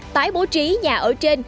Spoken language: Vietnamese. tái bố trí nhà ở trên